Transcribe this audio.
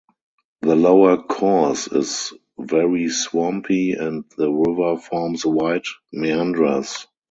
The lower course is very swampy and the river forms wide meanders.